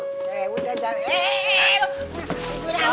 eh udah jangan